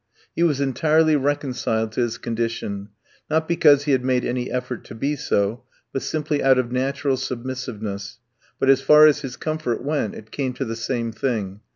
He was entirely reconciled to his condition, not because he had made any effort to be so, but simply out of natural submissiveness; but, as far as his comfort went, it came to the same thing.